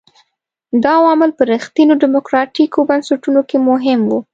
دا عوامل په رښتینو ډیموکراټیکو بنسټونو کې مهم وو.